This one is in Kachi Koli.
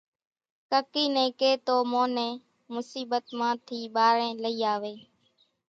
ڪڪِي نين ڪي تون مون نين مصيٻت مان ٿي ٻارين لئي آوي۔